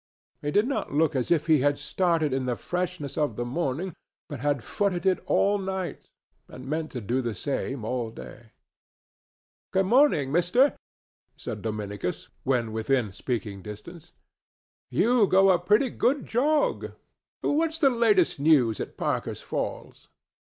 He did not look as if he had started in the freshness of the morning, but had footed it all night, and meant to do the same all day. "Good morning, mister," said Dominicus, when within speaking distance. "You go a pretty good jog. What's the latest news at Parker's Falls?"